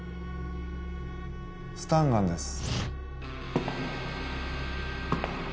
スタンガンです